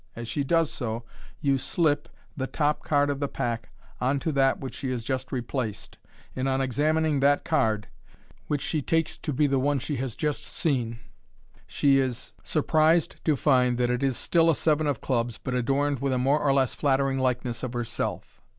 As she does so, you "slip'' (see page $$) the top card of the pack on to that which she has just replaced, and on examining that card (which she takes to be the one she has just seen) she is f 16 MODERN MA GIC. surprised to find that it is still a seven of clubs, but adorned with a more or less flattering likeness of herself.